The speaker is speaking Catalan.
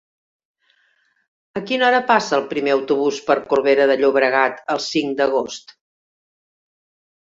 A quina hora passa el primer autobús per Corbera de Llobregat el cinc d'agost?